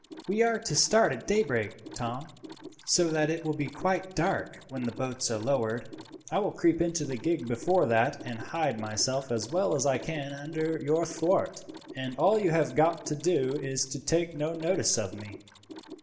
"We are to start at daybreak, Tom, so that it will be quite dark when the boats are lowered. I will creep into the gig before that and hide myself as well as I can under your thwart, and all you have got to do is to take no notice of me.